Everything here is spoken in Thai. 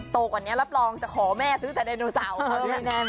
กว่านี้รับรองจะขอแม่ซื้อแต่ไดโนเสาร์